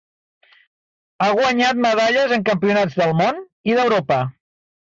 Ha guanyat medalles en campionats del món i d'Europa.